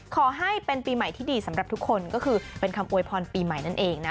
ขอให้เป็นปีใหม่ที่ดีสำหรับทุกคนก็คือเป็นคำอวยพรปีใหม่นั่นเองนะ